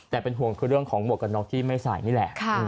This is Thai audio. แต่เป็นห่วงคือเรื่องของหมวกกันน็อกที่ไม่ใส่นี่แหละ